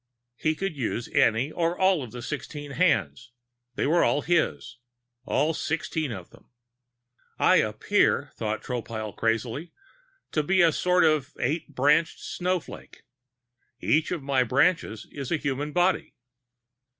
He could use any or all of the sixteen hands. They were all his, all sixteen of them. I appear, thought Tropile crazily, to be a sort of eight branched snowflake. Each of my branches is a human body.